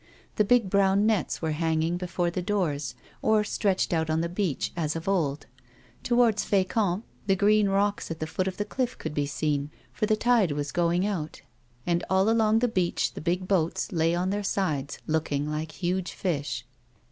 The big brown nets were hangiiuo; before the doors, or stretched out on the beach as of old ; towards Fecamp the green rocks at the foot of the cliff could be seen, for the tide was going out, and all along the beach the big boats lay on their sides look ing like huge fish.